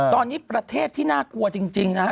ตอนนี้ประเทศที่น่ากลัวจริงนะฮะ